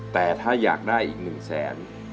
แต่ถ้าอยากได้อีก๑แสน